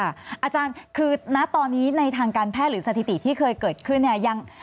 อาจารย์คือณตอนนี้ในทางการแพทย์หรือสถิติที่เคยเกิดขึ้นเนี่ย